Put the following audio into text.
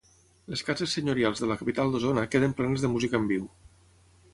Les cases senyorials de la capital d'Osona queden plenes de música en viu.